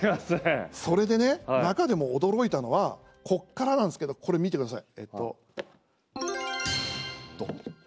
それでね、中でも驚いたのはこっからなんですけどこれ見てください。